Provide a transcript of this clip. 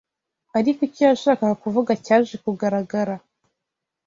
ariko icyo yashakaga kuvuga cyaje kugaragara